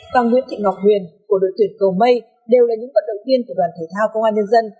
và nguyễn thị ngọc huyền của đội tuyển cầu mây đều là những vận động viên của đoàn thể thao công an nhân dân